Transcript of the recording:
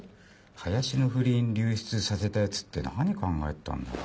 林の不倫流出させたヤツって何考えてたんだろう。